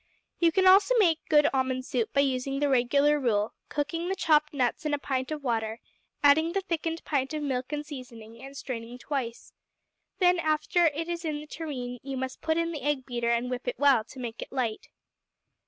You can also make good almond soup by using the regular rule; cooking the chopped nuts in a pint of water, adding the thickened pint of milk and seasoning, and straining twice. Then, after it is in the tureen, you must put in the egg beater and whip well, to make it light.